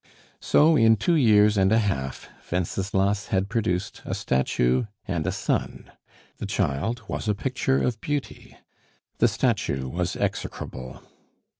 So in two years and a half Wenceslas had produced a statue and a son. The child was a picture of beauty; the statue was execrable.